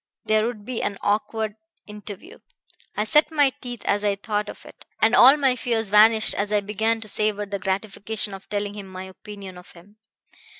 There would be an awkward interview I set my teeth as I thought of it, and all my fears vanished as I began to savor the gratification of telling him my opinion of him.